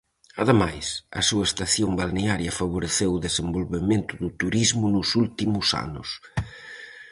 Ademais, a súa estación balnearia favoreceu o desenvolvemento do turismo nos últimos anos.